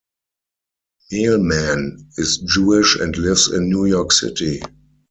Mehlman is Jewish and lives in New York City.